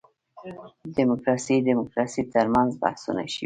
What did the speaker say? دیموکراسي دیموکراسي تر منځ بحثونه شوي.